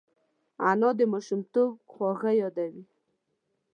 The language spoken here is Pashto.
انا د ماشومتوب خواږه یادوي